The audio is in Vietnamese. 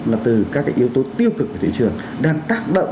là từ các cái yếu tố tiêu cực của thị trường đang tác động